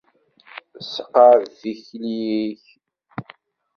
Seqɛed tikli-w s wawal-ik.